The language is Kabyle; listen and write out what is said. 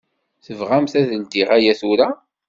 Tebɣamt ad ldiɣ aya tura?